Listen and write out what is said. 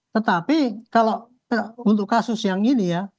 tetapi kalau untuk kasus yang ini ya